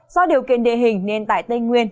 do điều kiện địa hình nên tại tây nguyên